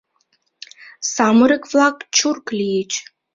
Самырык-влак чурк лийыч.